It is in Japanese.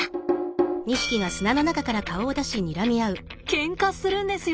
ケンカするんですよ！